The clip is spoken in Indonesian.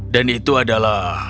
dan itu adalah